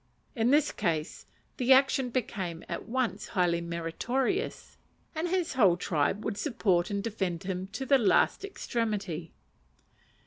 In this case, the action became at once highly meritorious, and his whole tribe would support and defend him to the last extremity.